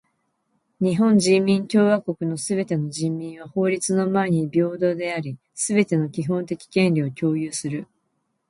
日本人民共和国のすべての人民は法律の前に平等であり、すべての基本的権利を享有する。